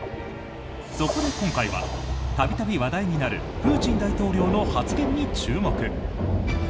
そこで今回は度々、話題になるプーチン大統領の発言に注目。